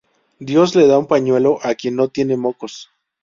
Dios le da pañuelo a quien no tiene mocos